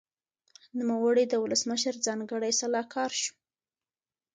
نوموړي د ولسمشر ځانګړی سلاکار شو.